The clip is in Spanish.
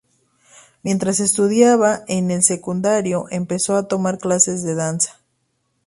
Mientras estudiaba en el secundario, empezó a tomar clases de danza.